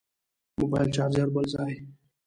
موبایل چارچر بل ځای.